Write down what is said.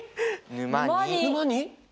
沼に。